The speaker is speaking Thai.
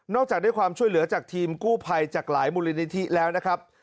จากได้ความช่วยเหลือจากทีมกู้ภัยจากหลายมูลนิธิแล้วนะครับ